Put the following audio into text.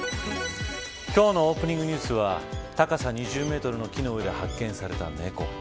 今日のオープニングニュースは高さ２０メートルの木の上で発見された猫。